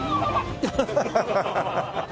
ハハハハ。